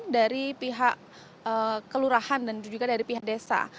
dari pihak kelurahan dan juga dari pihak desa